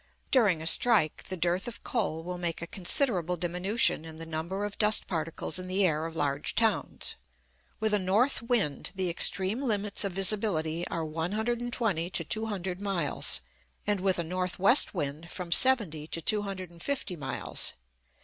During a strike, the dearth of coal will make a considerable diminution in the number of dust particles in the air of large towns. With a north wind, the extreme limits of visibility are 120 to 200 miles; and with a north west wind, from 70 to 250 miles.